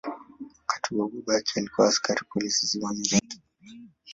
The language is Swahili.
Wakati huo baba yake alikuwa askari polisi visiwani Zanzibar.